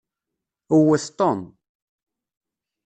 Wwet Tom.